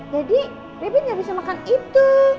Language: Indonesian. jadi rebit gak bisa makan itu